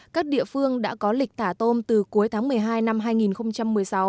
các địa phương đã có lịch thả tôm từ cuối tháng một mươi hai năm hai nghìn một mươi sáu